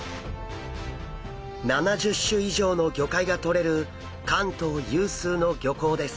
７０種以上の魚介がとれる関東有数の漁港です。